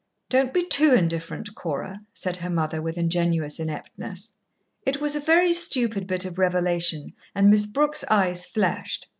"Don't be too indifferent, Cora," said her mother, with ingenuous ineptness. It was a very stupid bit of revelation, and Miss Brooke's eyes flashed.